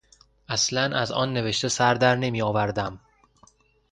اصلا از آن نوشته سر در نمیآوردم.